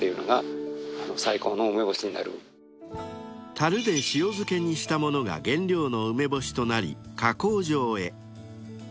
［たるで塩漬けにした物が原料の梅干しとなり加工場へ］